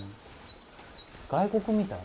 外国みたい。